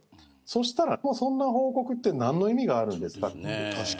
そうしたら、もうそんな報告は何の意味があるんですかと。